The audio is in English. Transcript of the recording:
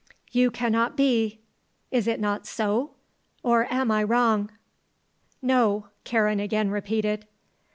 You cannot be. Is it not so? Or am I wrong?" "No," Karen again repeated.